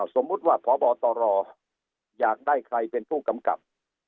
สมมุติว่าพบตรอยากได้ใครเป็นผู้กำกับ